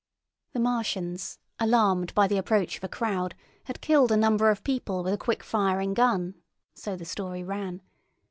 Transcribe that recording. The Martians, alarmed by the approach of a crowd, had killed a number of people with a quick firing gun, so the story ran.